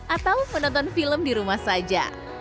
atau menonton film di rumah saja